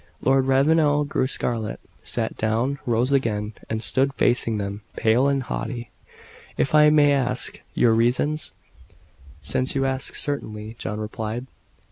Lord Ravenel grew scarlet sat down rose again, and stood facing them, pale and haughty. "If I may ask your reasons?" "Since you ask certainly," John replied.